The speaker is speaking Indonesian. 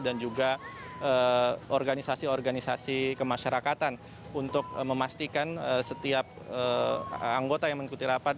dan juga organisasi organisasi kemasyarakatan untuk memastikan setiap anggota yang mengikuti rapat